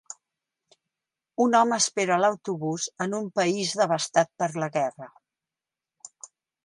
Un home espera l'autobús en un país devastat per la guerra